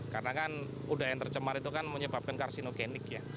karena kan udara yang tercemar itu kan menyebabkan karsinogenik ya